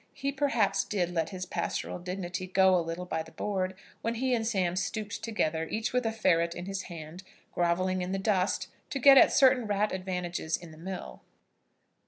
He, perhaps, did let his pastoral dignity go a little by the board, when he and Sam stooped together, each with a ferret in his hand, grovelling in the dust to get at certain rat advantages in the mill.